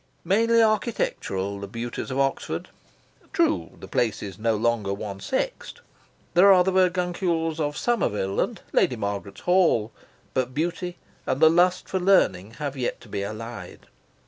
Mainly architectural, the beauties of Oxford. True, the place is no longer one sexed. There are the virguncules of Somerville and Lady Margaret's Hall; but beauty and the lust for learning have yet to be allied.